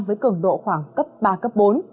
với cường độ khoảng cấp ba bốn